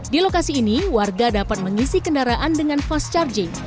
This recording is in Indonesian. di lokasi ini warga dapat mengisi kendaraan dengan fast charging